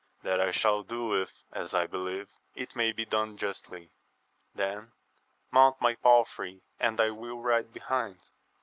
That shall I do, if , as I believe, it may be done justly. Then mount my palfrey, and I will ride behind.